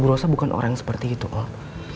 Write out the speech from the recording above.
bu rosa bukan orang yang seperti itu om